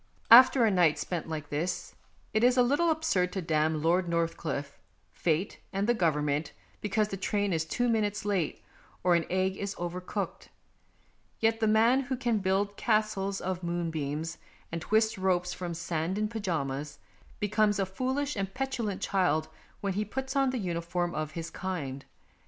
After a night spent like this it is a little absurd to damn Lord Northcliffe, Fate, and the Government because the train is two minutes late, or an egg is over cooked. Yet the man who can build castles of moonbeams and twist ropes from sand in pyjamas, be comes a foolish and petulant child when he puts on the uniform of his kind.